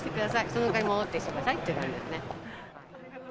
その代わり戻ってきてくださいっていう感じですね。